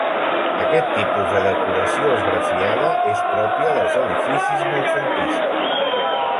Aquest tipus de decoració esgrafiada és pròpia dels edificis noucentistes.